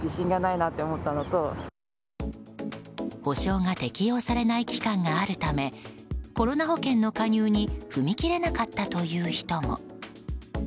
補償が適用されない期間があるためコロナ保険の加入に踏み切れなかったという人も。